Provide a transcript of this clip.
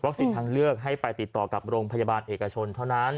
ทางเลือกให้ไปติดต่อกับโรงพยาบาลเอกชนเท่านั้น